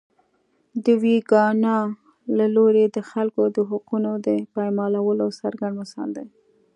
د ویګیانو له لوري د خلکو د حقونو د پایمالولو څرګند مثال دی.